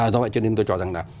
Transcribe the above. do vậy cho nên tôi cho rằng là